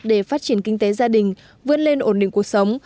để phát triển kinh tế gia đình vươn lên ổn định cuộc sống